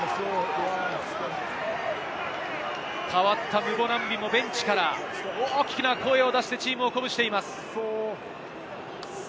代わったムボナンビもベンチから大きな声を出してチームを鼓舞しています。